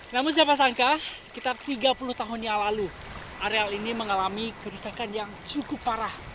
namun siapa sangka sekitar tiga puluh tahun yang lalu areal ini mengalami kerusakan yang cukup parah